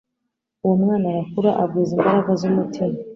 "Uwo mwana arakura, agwiza imbaraga z'umutima.